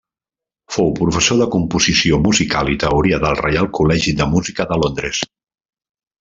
Fou professor de composició musical i teoria del Reial Col·legi de Música de Londres.